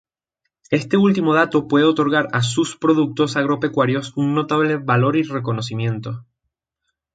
Este último dato puede otorgar a sus productos agropecuarios un notable valor y reconocimiento.